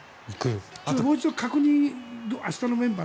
もう一度確認明日のメンバー